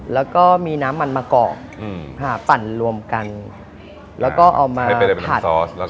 แล้วก็มีน้ำมันมะกอกปั่นรวมกันแล้วก็เอามาผัด